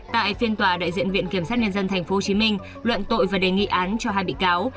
tại phiên tòa đại diện viện kiểm sát nhân dân tp hcm luận tội và đề nghị án cho hai bị cáo